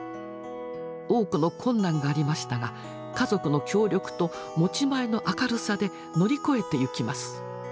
多くの困難がありましたが家族の協力と持ち前の明るさで乗り越えていきます。